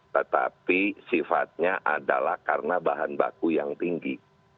tetapi sifatnya adalah karena bahan baku yang tinggi